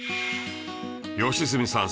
良純さん